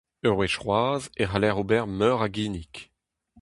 Ur wech c'hoazh e c'haller ober meur a ginnig :